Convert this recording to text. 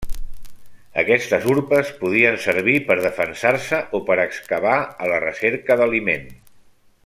Aquestes urpes podien servir per defensar-se o per excavar a la recerca d'aliment.